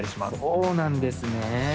そうなんですね。